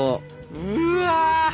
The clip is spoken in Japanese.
うわ！